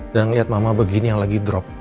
dan ngeliat mama begini yang lagi drop